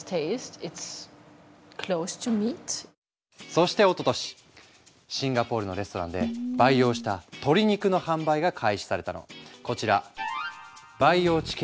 そしておととしシンガポールのレストランで培養した鶏肉の販売が開始されたの。